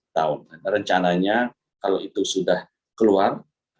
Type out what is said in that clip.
rencananya kalau itu sudah keluar